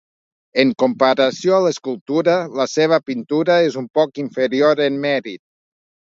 En comparació a l'escultura, la seva pintura és un poc inferior en mèrit.